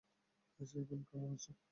এখন কেমন আছেন?